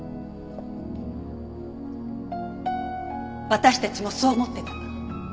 私たちもそう思ってた。